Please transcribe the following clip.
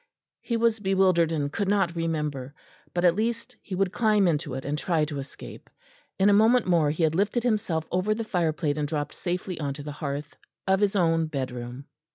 He was bewildered and could not remember. But at least he would climb into it and try to escape. In a moment more he had lifted himself over the fireplate and dropped safely on to the hearth of his own bedroom.